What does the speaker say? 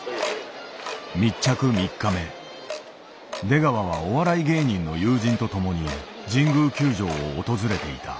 出川はお笑い芸人の友人と共に神宮球場を訪れていた。